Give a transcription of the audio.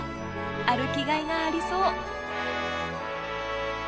歩きがいがありそう。